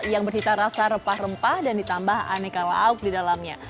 yang bercita rasa rempah rempah dan ditambah aneka lauk di dalamnya